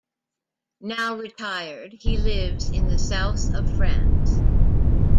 Now retired, he lives in the south of France.